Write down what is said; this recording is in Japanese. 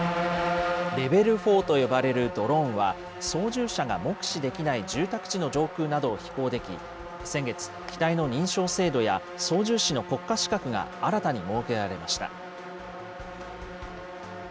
レベル４と呼ばれるドローンは、操縦者が目視できない住宅地の上空などを飛行でき、先月、機体の認証制度や、操縦士の国家資格が新たに設けられました。